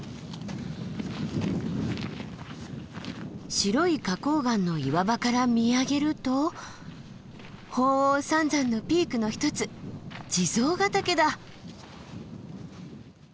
白い花崗岩の岩場から見上げると鳳凰三山のピークの一つ地蔵ヶ岳だ！